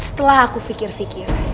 setelah aku fikir fikir